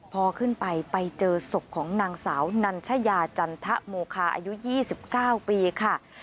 พอขึ้นไปไปเจอศพของนางสาวนัญชยาจันทะโมคาอายุ๒๙ปีค่ะ